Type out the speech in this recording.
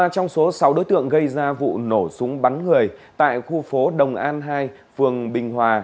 ba trong số sáu đối tượng gây ra vụ nổ súng bắn người tại khu phố đồng an hai phường bình hòa